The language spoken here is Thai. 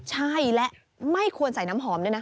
ใช่และไม่ควรใส่น้ำหอมด้วยนะ